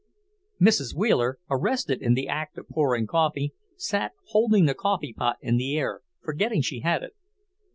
Mrs. Wheeler, arrested in the act of pouring coffee, sat holding the coffee pot in the air, forgetting she had it.